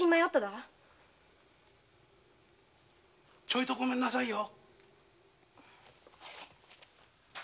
・ちょいとごめんなさいよ。